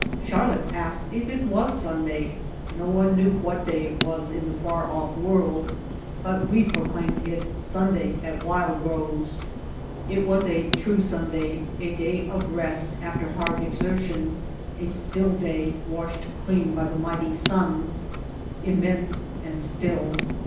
Charlotte asked if it was Sunday. No one knew what day it was in the f ar ofif world, but we pro claimed it Sunday at Wild Rose. It was a true Sunday, a day of rest after hard exertion, a still day washed clean by the mighty sun. Immense and still.